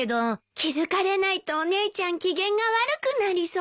気付かれないとお姉ちゃん機嫌が悪くなりそう。